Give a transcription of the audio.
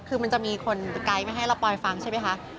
คือมันจะมีคนสไกด์มาให้เราปอยฟังใช่ไหมคะ